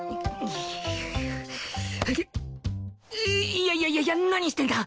いやいやいやいや何してんだ！